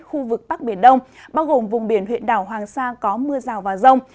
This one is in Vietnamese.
khu vực bắc biển đông bao gồm vùng biển huyện đảo hoàng sa có mưa rào và rông